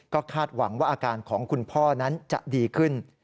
ก็คาดหวังว่าอาการของคุณพ่อนั้นจะดีขึ้น